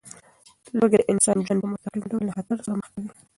لوږه د انسان ژوند په مستقیم ډول له خطر سره مخ کوي.